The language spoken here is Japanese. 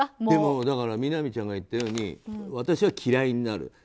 でもみなみちゃんが言ったように、私は嫌いになる。